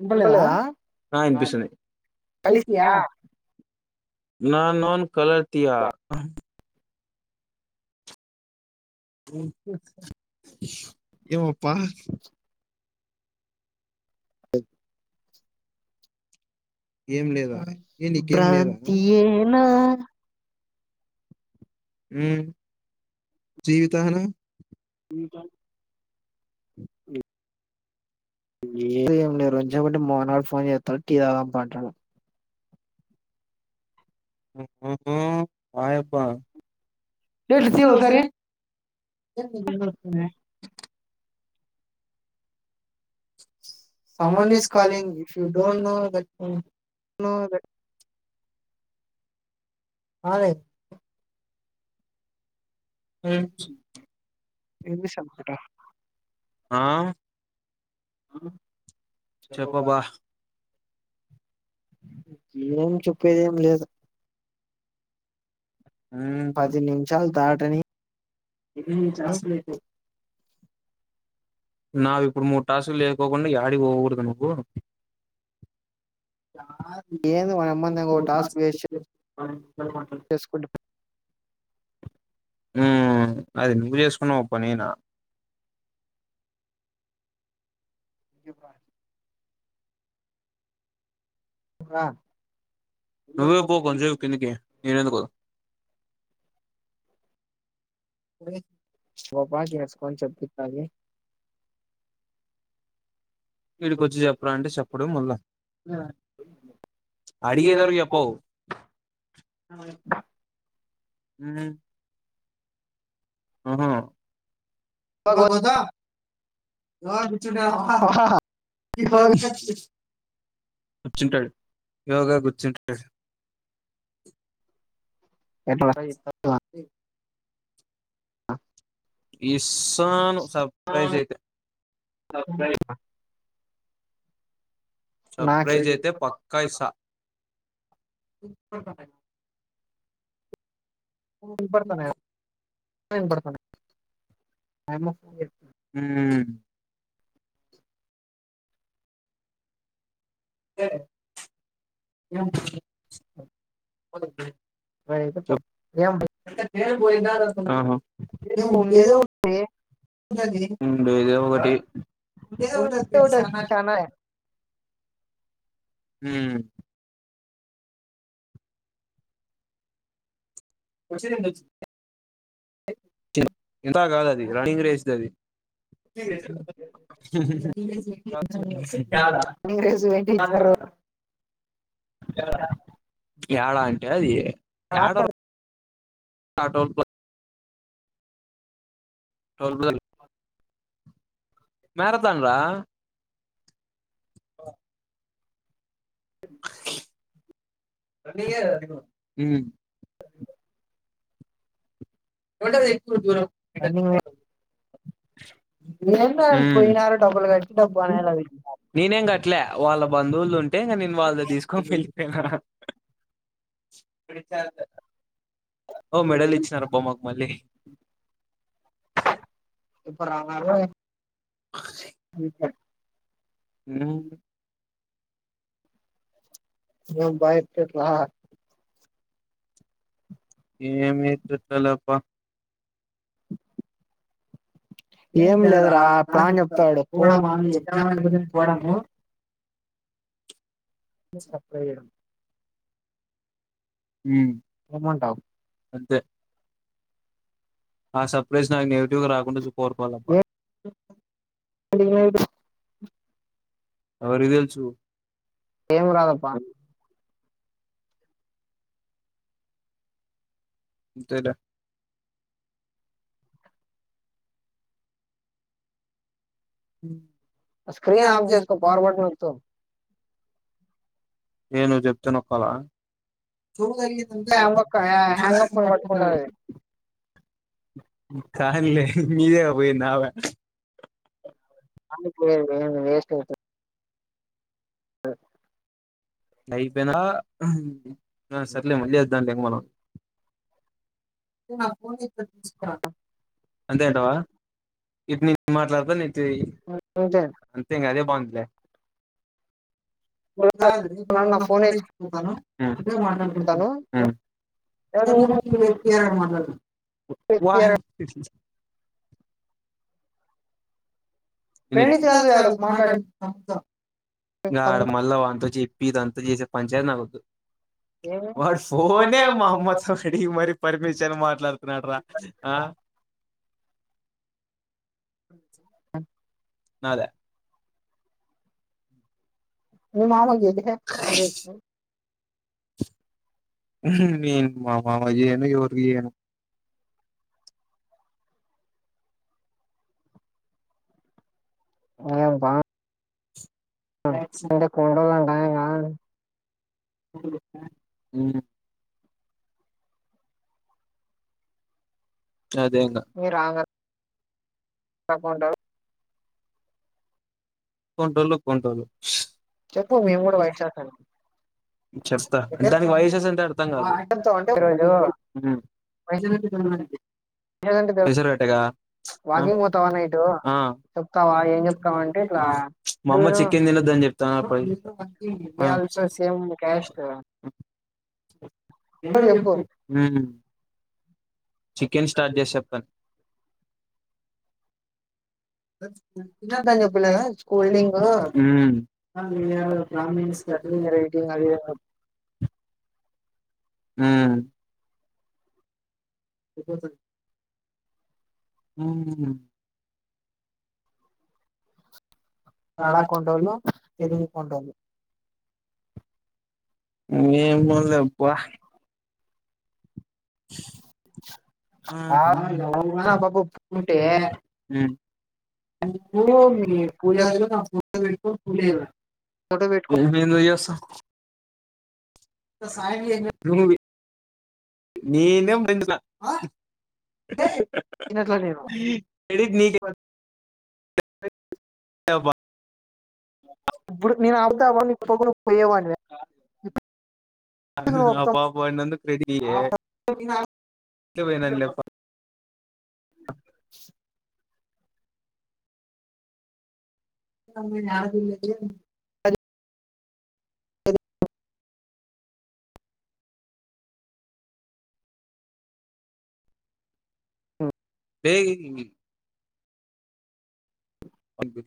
వినపడలేదా ఆ అనిపిస్తుంది కలిస్తయా కలిసియా నా నోన్ కలర్ తియా ఓక ఏమో ప ఏం లేదా ఏ నీకేం లేదా భ్రాంతియే నా మ్ జీవితానా [inaudible] ఏ ఎవరన్న వచ్చాం అంటే మోనాల్ ఫోన్ చెస్ తక్కియా పాటలు అమ్మో ఆయప్ప ఎట్లా తీ స్వీట్కి ఓ ఒకసారి సారి [unintelligible] some someone one is is calling you don't know that ఆ అదే అదే హ్మ్మ్ ఏం చేస్తుంది ఆట ఆ ఆ చెప్పవా ఏం చూప్పేది ఏం లేదు ఉమ్, పది నిమిషాలు దాటని డిగ్రీ చేస్తలేదు నావి ఇప్పుడు మూడు టాసులు లేకకుండా ఏడికీ పోకూడదు నువ్వు ఏదో వాడు అన్నందుకు టాస్క్ చేసే అ బల్కు హమ్ అది నువ్వు చేసుకున్నావు పని నా శెభాష్ ఆ నువ్వే పో కొద్దిసేపు కిందికి నేను ఎందుకు పోత గు ఓ పా వేసుకొని చెప్తుంది ఈడికి వచ్చి చెప్పరా అంటే చెప్పడు మళ్ళా అడిగేదారు చెప్పవు అవును హ ఆహా తమ కసా [unintelligible] చునావ భ [unintelligible] వచ్చుంటాడు యోగా కూర్చుంటాడు ఎ [unintelligible] ఆ ఇసాను సర్ప్రైజ్ అయితే సర్ప్రైసా నాకు సర్ప్రైజ్ అయితే పక్కా ఇస్తా ఓకే ఆ వినపడుతున్నాయి ఆ యమ్మ ఫోన్ చేస్తే హ్మ్ ఏ [inaudible] ఏంటికీ ఆహా ఉండేదే ఓకటి ఉండేదే ఒకటి ఏదో ఒకటి ఉండేదే పెట్టి సానాలాయ చానా హ్మ్ వచ్చినయండి వచి ఇం కాదది అది రన్నింగ్ రేస్ ది అది హు రన్నింగ్ రేస్ పెట్టి హు ఇచ్చినారు హు యాడా అంటే అది ఆ స ఏడ [unintelligible] రా టోల్ ప్లా- టోల్ ప్లాజా మారథాన్ రా రన్నింగే అది కూడా హ్మ్ ఏముంటది దూరం రన్నింగ్ ఏందో వాళ్ళు మ్మ్ పోయినారు డబ్బులు కట్టి డబ్బు అనేది అది ననేం కట్లే వాళ్ బంధువులుదుంటే ఇంగ నేను వాళ్ళు తీసుకోని వెలి [unintelligible] ఇడ చాల ఓ మెడల్ ఇచ్చినారూ అబ్బ మాకు మళ్ళీ ఇప్పుడు [unintelligible] మ్మ్ [unintelligible] ఏమి చుట్టాలు అబ్బ ఏం లేదు లేదురా రా సార్ ప్లాన్ చెప్తారు చెప్తాడు పో చూడమా అని ఎగ్జామ్ గురించి చూడము పోవడము సప్లై చేయడం హు ఏమంటావు అంతే ఆ సర్ప్రైజ్ నాకు నెగిటివ్గా రాకుండ కోరుకోవాలబ అ ఎవరికి తెల్సు ఎం రాదప్ప అంతేలే హు స్క్రీన్ ఆఫ్ చేసుకో పవర్ [unintelligible] నే నువ్వు చెప్తనొక్కవ జూదరి ప నొక్కు హ్యాంగ్ హ్యాంగప్ ఫోన్ పట్టుకుంటారు కానీలే మీదే గ పోయేది [unintelligible] అందు ఏ వేస్ట్ అవుతు ఆ [unintelligible] సర్లే మల్లి దాన్ని ఇవ్వను అంతేంటవా ఇప్పు నను మాట్లాడతా అంతే అంతే ఇంగ అదే బంధ్లే [unintelligible] అ నాన్న నా ఫోన్ నువ్వే మాట్లాడుకో ఊ అదే నువ్వు ఇచ్చుకుంటాను మాట్లాడొచ్చుగా నేనే మాట్లాడతా వాహ ప్రణీత్ ఫ్రెండ్స్ కాదు తో వాడు మాట్లాడు తప్పు కాదు తమ్ముడు మల్ల ఆడ వంట చెప్పి అంత నువ్వు చేసే పంచాయతీ నాకొద్దు ఏమి? వాడు ఫోనే మా అమ్మ తోటి పర్మిషన్ అడిగి మాట్లాడుతాడు నాకు పంపించిందా ఆ అ నాదా మామ ఇది గీడ ఎందుకేసినవ్ నను మామమ ఏను ఎవరికి ఏను ఏం రా అంటే కొన్నిటోళ్లు అంటే ఉ అదేనా పట్టుకుంటావా కొనటెల్లు కొనుటెలు చెప్పు మేము కూడా వాయించానని చెప్పు చెప్తా దానికి వాయిస్ ఎస్ ఉంటారు అర్థం ఈరోజు కావట్లేదు ఊ వైట్ పైసలు ఎంత కావాలి షార్ట్స్ అంటే పైసలు అట కదా వాకింగ్ పోతావా నైట్ ఆ చెప్తావా ఏం చెప్తావంటే ఇట్లా డూ మామ్మ చికెన్ తినొద్దని చెప్పింది త ప ఆ ఆల్సో సేమ్ చేశా క్యాస్ట్ ఒకటి చెప్పు ఉ చికెన్ స్టార్ట్ చేసి చెప్తాను అ అని తినొద్దని చెప్పినా చెప్పలే కదా కూల్ స్కూలింగ్ డ్రింగు ఊ స్కూల్ రైటింగ్ అది రింగ్ ఆ ఇకు స ఆ కడ ఉమ్ కొంటోళ్లు తెలుగు కొంటోళ్లు మేము లేప్ప స్ ఆ బాబు హ్మ్ ఉంటే హ్మ్ నువ్వు [unintelligible] మీ [unintelligible] పూజ పూలెయ్యవా ఫోటో పెట్టుకో లే మి ఎందుకుజెస్తాం న న తినట్లా నేను ఎడిట్ నీకే బా ఇప్పుడు నేను అడుగుతా [unintelligible] పోయ్యేవానివా అ పాప వాన్నందు రెడియే పోయినా ఇట్లే పోయిన్సన్లేప్ప ఆపుతావు [unintelligible] [unintelligible] లేయ్ పంపి